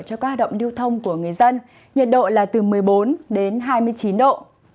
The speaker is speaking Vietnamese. cho các hoạt động lưu thông của người dân nhiệt độ là từ một mươi bốn đến hai mươi chín độ